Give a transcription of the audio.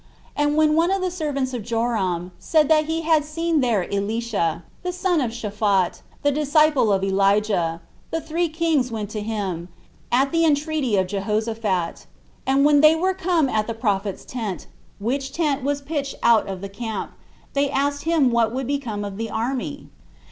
And when one of the servants of Joram said that he had seen there Elisha, the son of Shaphat, the disciple of Elijah, the three kings went to him, at the entreaty of Jehoshaphat; and when they were come at the prophet's tent, which tent was pitched out of the camp, they asked him what would become of the army?